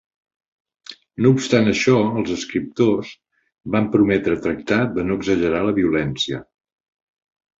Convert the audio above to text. No obstant això, els escriptors van prometre tractar de no exagerar la violència.